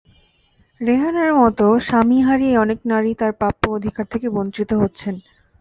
রেহানার মতো স্বামী হারিয়ে অনেক নারী তাঁর প্রাপ্য অধিকার থেকে বঞ্চিত হচ্ছেন।